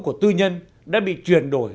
của tư nhân đã bị truyền đổi